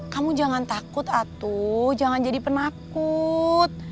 kamu jangan takut atu jangan jadi penakut